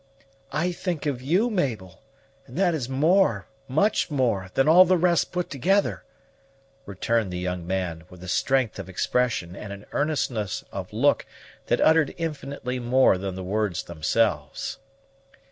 "I think of you, Mabel, and that is more, much more, than all the rest put together!" returned the young man, with a strength of expression and an earnestness of look that uttered infinitely more than the words themselves.